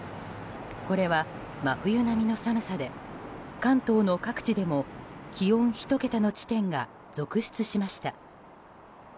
これは真冬並みの寒さで関東の各地でも気温１桁の地点が続出しました。